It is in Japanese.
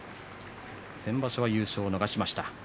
先場所は優勝を逃しました。